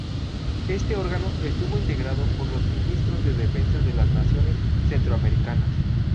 Este órgano estuvo integrado por los Ministros de Defensa de las naciones centroamericanas.